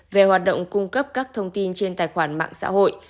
về hoạt động cung cấp các thông tin trên tài khoản mạng xã hội